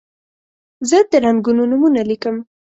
زه د رنګونو نومونه لیکم.